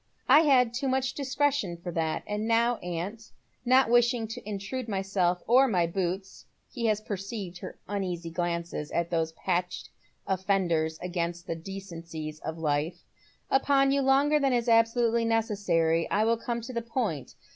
"I had too much discretion for that. And now, aunt, not wishing to intrude myself or my boots (he has perceived her uneasy glances at those patched ofEenders against the decencies of life) upon you longer than is absolutely necessary, I will come to the point.